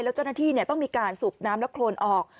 แล้วเจ้าหน้าที่ต้องมีการสูบน้ำและโครนออก